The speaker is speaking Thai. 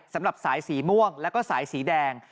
สำหรับสายสีม่วงแล้วก็สายสีแดง